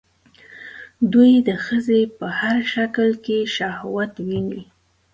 دوی د ښځې په هر شکل کې شهوت ويني